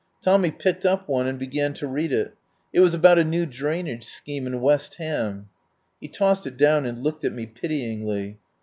Tommy picked up one and be gan to read it. It was about a new drainage scheme in West Ham. He tossed it down and looked at me pityingly.